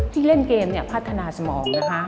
เล่นเกมพัฒนาสมองนะคะ